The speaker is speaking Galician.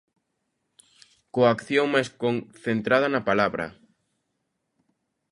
Coa acción máis concentrada na palabra.